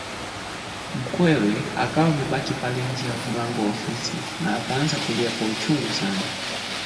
Mkewe akawa amebaki pale nje ya mlango wa ofisi na akaanza kulia kwa uchungu sana